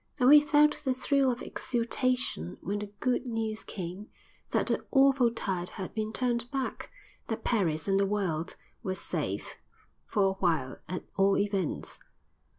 Then we felt the thrill of exultation when the good news came that the awful tide had been turned back, that Paris and the world were safe; for awhile at all events.